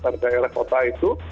jalan antar daerah kota itu